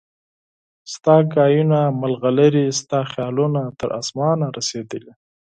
ستا خبرې مرغلرې ستا خیالونه تر اسمانه رسیدلي